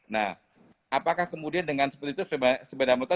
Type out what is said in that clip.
nah apakah kemudian dengan sepeda motor